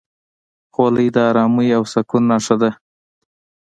خولۍ د ارامۍ او سکون نښه ده.